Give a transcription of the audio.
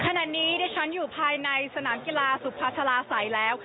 ขณะนี้ดิฉันอยู่ภายในสนามกีฬาสุภาษาลาศัยแล้ว